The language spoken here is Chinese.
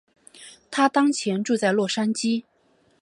她当前住在洛杉矶。